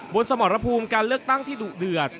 สมรภูมิการเลือกตั้งที่ดุเดือด